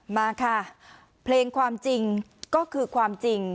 มาค่ะเพลงความจริงก็คือความจริง